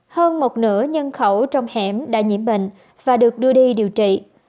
hơn một nửa nhân khẩu trong hẻm đã nhiễm bệnh và được đưa đi điều trị